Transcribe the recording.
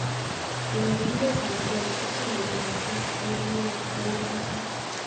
Urerenindetab golf kocherekeei mising kobir mpireet kou ole makaat